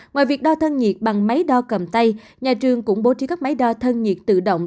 ngoài việc đo thân nhiệt bằng máy đo cầm tay nhà trường cũng bố trí các máy đo thân nhiệt tự động